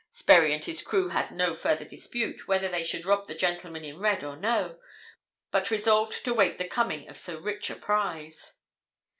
_ Sperry and his crew had no further dispute whether they should rob the gentlemen in red or no, but resolved to wait the coming of so rich a prize.